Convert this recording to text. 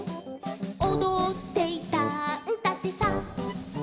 「おどっていたんだってさ」